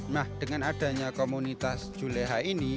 nah dengan adanya komunitas juleha ini